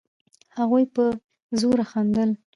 هغوی په زوره خندل.